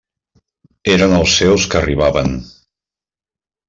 Eren els seus que arribaven.